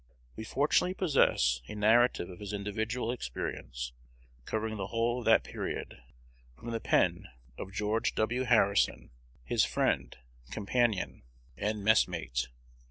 We fortunately possess a narrative of his individual experience, covering the whole of that period, from the pen of George W. Harrison, his friend, companion, and messmate.